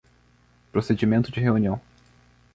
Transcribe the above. Procedimento de reunião